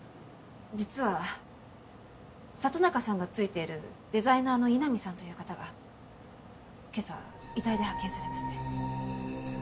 実は里中さんがついているデザイナーの井波さんという方が今朝遺体で発見されまして。